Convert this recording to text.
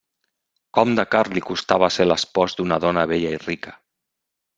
Com de car li costava ser l'espòs d'una dona bella i rica!